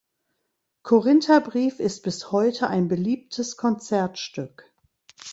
Korintherbrief ist bis heute ein beliebtes Konzertstück.